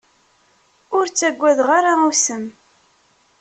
Ur ttagadeɣ ara usem.